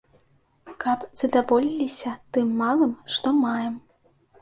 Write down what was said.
Каб задаволіліся тым малым, што маем.